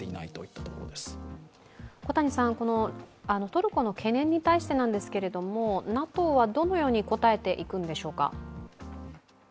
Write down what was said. トルコの懸念に対してなんですけれどもＮＡＴＯはどのようにこたえていくんでしょうか。